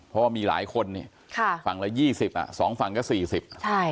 เพราะว่ามีหลายคนเนี่ยค่ะฝั่งละยี่สิบอ่ะสองฝั่งก็สี่สิบใช่